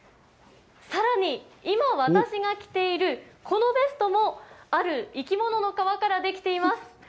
さらに、今私が着ているこのベストも、ある生き物の皮から出来ています。